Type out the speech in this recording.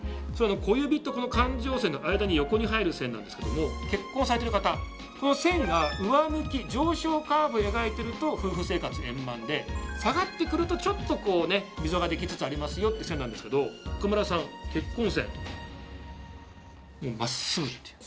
小指と感情線の間に横に入る線なんですけども結婚されてる方この線が上向き上昇カーブ描いてると夫婦生活円満で下がってくるとちょっと溝ができつつありますよっていう線なんですけど岡村さん結婚線。